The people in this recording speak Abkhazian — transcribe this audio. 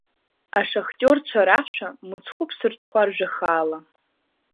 Ашахтиорцәа рашәа, Мыцхәы бсырҽхәар жәахаала…